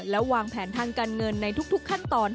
และวางแผนทางการเงินในทุกขั้นตอน